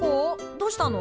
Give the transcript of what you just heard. どうしたの？